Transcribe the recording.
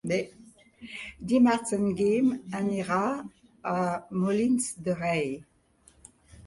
Dimarts en Guim anirà a Molins de Rei.